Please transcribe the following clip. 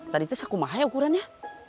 tadi itu saya kumahai ukurannya